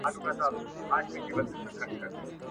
چي د سړيتوب په تاله دي پوره وخېژي